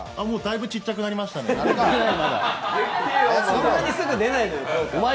もうだいぶ小っちゃくなりましたね。